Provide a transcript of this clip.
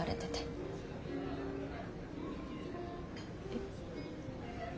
えっ？